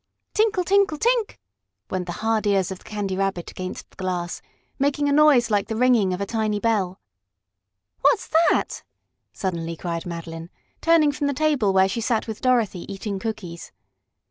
"Tinkle tinkle! Tink!" went the hard ears of the Candy Rabbit against the glass, making a noise like the ringing of a little bell. "What's that?" suddenly cried Madeline, turning from the table where she sat with Dorothy eating cookies.